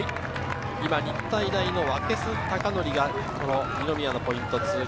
日体大の分須尊紀が二宮のポイントを通過。